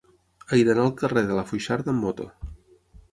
He d'anar al carrer de la Foixarda amb moto.